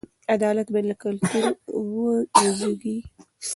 عدالت باید له کلتوره وزېږي.